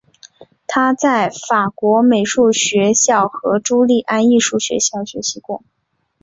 他在法国美术学校和朱利安艺术学校学习过。